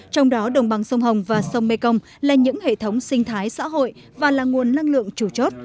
trong đó đồng bằng sông hồng và sông mê công là những hệ thống sinh thái xã hội và là nguồn năng lượng chủ chốt